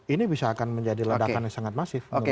ini bisa akan menjadi ledakan yang sangat masif